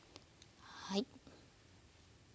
はい。